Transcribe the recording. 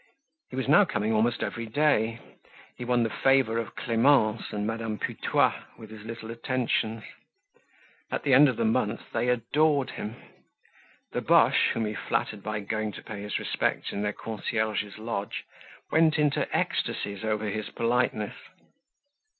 He was now coming almost every day. He won the favor of Clemence and Madame Putois with his little attentions. At the end of the month they adored him. The Boches, whom he flattered by going to pay his respects in their concierge's lodge, went into ecstasies over his politeness.